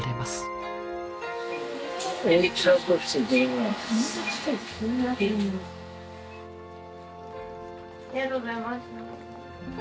ありがとうございます。